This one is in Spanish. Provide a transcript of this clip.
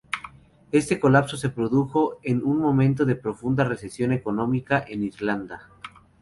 Este colapso se produjo en un momento de profunda recesión económica en Irlanda.